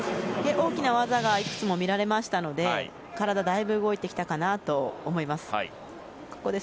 大きな技がいくつも見られましたので体がだいぶ動いてきたかなと思います。